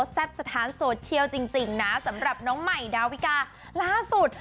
สถานโซเชียลจริงนะสำหรับน้องใหม่ดาวิกาล่าสุด